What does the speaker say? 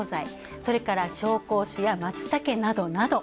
それから紹興酒や、まつたけなどなど。